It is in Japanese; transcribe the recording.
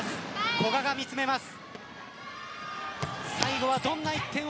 古賀が見つめます。